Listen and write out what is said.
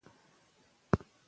پښتو باید وکارول سي.